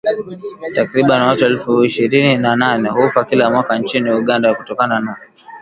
Takriban watu elfu ishirini na nane hufa kila mwaka nchini Uganda kutokana na